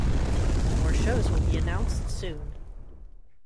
More shows will be announced soon.